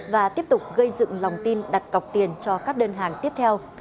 và tiếp tục gây dựng lòng tin đặt cọc tiền cho các đơn hàng tiếp theo